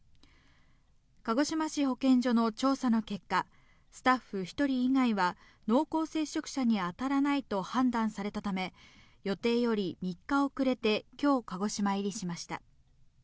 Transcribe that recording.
鹿児島市保健所の調査の結果、スタッフ１人以外は濃厚接触者に当たらないと判断されたため、予定より３日遅れてきょう、鹿児島入りしました。